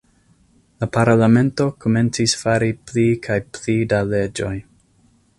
La parlamento komencis fari pli kaj pli da leĝoj.